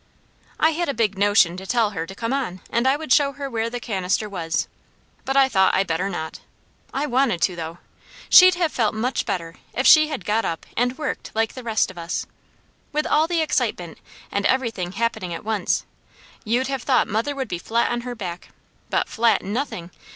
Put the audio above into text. I had a big notion to tell her to come on, and I would show her where the cannister was, but I thought I better not. I wanted to, though. She'd have felt much better if she had got up and worked like the rest of us. With all the excitement, and everything happening at once, you'd have thought mother would be flat on her back, but flat nothing!